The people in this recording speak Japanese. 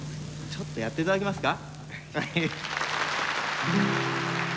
ちょっとやっていただけますか？